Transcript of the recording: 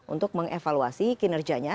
untuk mengevaluasi kinerjanya